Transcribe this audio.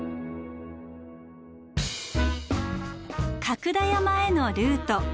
角田山へのルート。